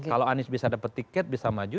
kalau anies bisa dapat tiket bisa maju